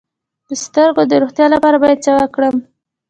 د سترګو د روغتیا لپاره باید څه وکاروم؟